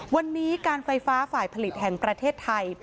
วันนี้การไฟฟ้าฝ่ายผลิตแห่งประเทศไทย